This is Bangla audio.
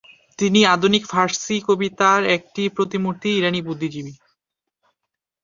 তিনি আধুনিক ফার্সি কবিতার একটি প্রতিমূর্তি, ইরানী বুদ্ধিজীবী।